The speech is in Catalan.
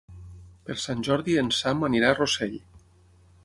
Per Sant Jordi en Sam anirà a Rossell.